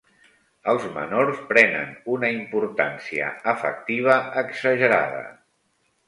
Els menors prenen una importància afectiva exagerada.